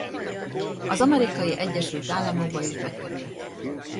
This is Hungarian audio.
Az Amerikai Egyesült Államokba is bekerült.